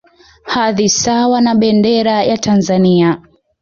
Hadhi sawa na Bendera ya Tanzania